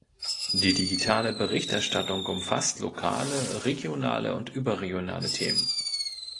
Die digitale Berichterstattung umfasst lokale, regionale und überregionale Themen.